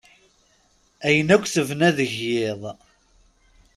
Ayen akk tebna deg yiḍ.